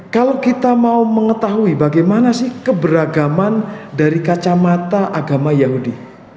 kalau kita mau mengetahui bagaimana sih keberagaman dari kacamata agama yahudi